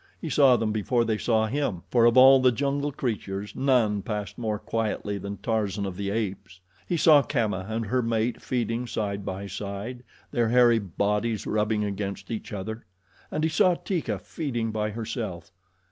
He saw them before they saw him, for of all the jungle creatures, none passed more quietly than Tarzan of the Apes. He saw Kamma and her mate feeding side by side, their hairy bodies rubbing against each other. And he saw Teeka feeding by herself.